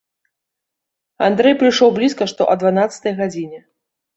Андрэй прыйшоў блізка што а дванаццатай гадзіне.